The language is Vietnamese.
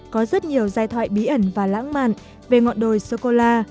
có rất nhiều giai thoại bí ẩn và lãng mạn về ngọn đồi sô cô la